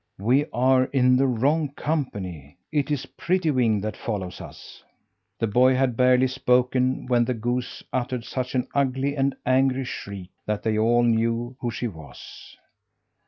"We are in the wrong company. It is Prettywing that follows us!" The boy had barely spoken when the goose uttered such an ugly and angry shriek that all knew who she was.